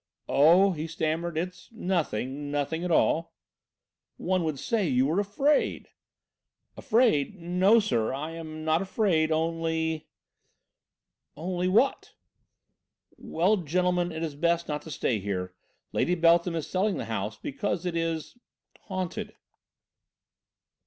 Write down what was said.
"Oh," he stammered, "it's nothing, nothing at all." "One would say you were afraid." "Afraid? No, sir. I am not afraid only " "Only what?" "Well, gentlemen, it is best not to stay here Lady Beltham is selling the house because it is haunted!"